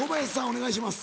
お願いします。